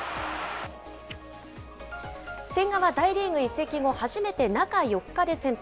千賀は大リーグ移籍後、初めて中４日で先発。